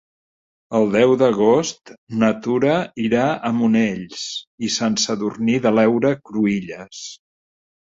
El deu d'agost na Tura irà a Monells i Sant Sadurní de l'Heura Cruïlles.